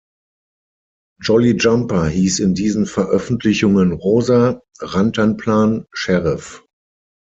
Jolly Jumper hieß in diesen Veröffentlichungen Rosa, Rantanplan Sheriff.